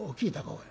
おい。